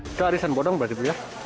itu arisan bodong berarti bu ya